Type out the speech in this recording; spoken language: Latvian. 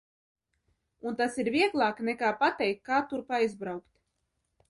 Un tas ir vieglāk nekā pateikt, kā turp aizbraukt?